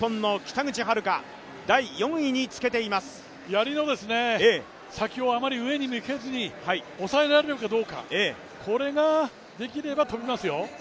やりの先をあまり上に向けずに抑えられるかどうか、これができれば飛びますよ。